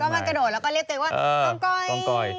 คุณจำได้ก็มันกระโดดแล้วก็เรียกตัวอย่างว่ากองกอย